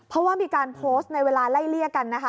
เพราะว่ามีการโพสต์ในเวลาไล่เลี่ยกันนะคะ